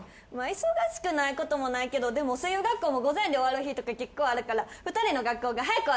忙しくないこともないけどでも声優学校も午前で終わる日とか結構あるから２人の学校が早く終わる日に行こっか。